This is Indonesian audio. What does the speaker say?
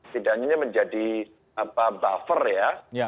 tidak hanya menjadi buffer ya